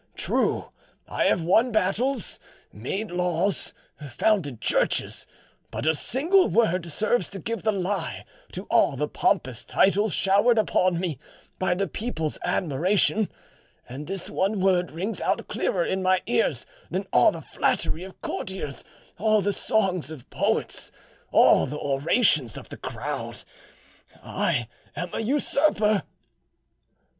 True, I have won battles, made laws, founded churches; but a single word serves to give the lie to all the pompous titles showered upon me by the people's admiration, and this one word rings out clearer in my ears than all the flattery of courtiers, all the songs of poets, all the orations of the crowd:—I am an usurper!"